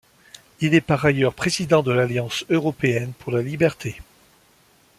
Il est par ailleurs président de l'Alliance européenne pour la liberté.